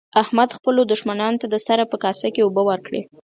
احمد خپلو دوښمنانو ته د سره په کاسه کې اوبه ورکړې.